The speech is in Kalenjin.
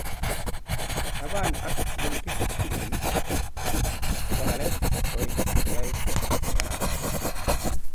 taban ak lelutik tutikin chebo ng'alek, ko yaet nekararan